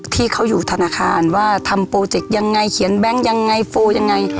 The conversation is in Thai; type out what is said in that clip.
ที่เขาอยู่ธนาคารว่าทำโปรเจกต์ยังไงเขียนแบงค์ยังไงโฟลยังไง